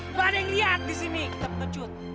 gak ada yang lihat di sini kita pengecut